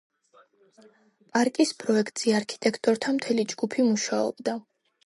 პარკის პროექტზე არქიტექტორთა მთელი ჯგუფი მუშაობდა.